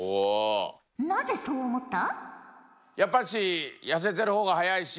なぜそう思った？